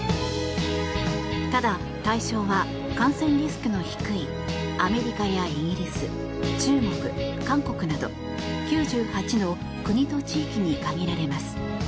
ただ、対象は感染リスクの低いアメリカやイギリス中国、韓国など９８の国と地域に限られます。